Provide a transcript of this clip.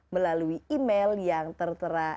melalui email yang tertera